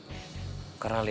lu bisa kembali ke jg